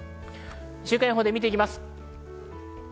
週間予報を見てきます。